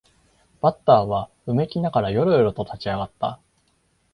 バッターはうめきながらよろよろと立ち上がった